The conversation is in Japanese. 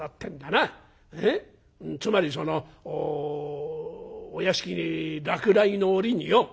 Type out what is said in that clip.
つまりそのお屋敷にらくらいの折によ」。